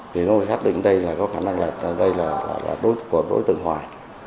thì nó sẽ xác định đây là có khả năng là đối tượng hoài